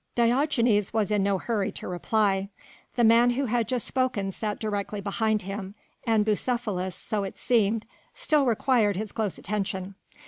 Diogenes was in no hurry to reply. The man who had just spoken sat directly behind him, and Bucephalus so it seemed still required his close attention.